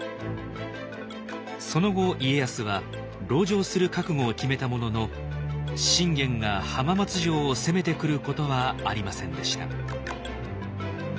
その後家康は籠城する覚悟を決めたものの信玄が浜松城を攻めてくることはありませんでした。